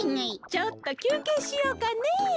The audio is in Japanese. ちょっときゅうけいしようかね。